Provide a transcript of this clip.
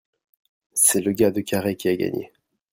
c'est le gars de Carhaix qui a gagné.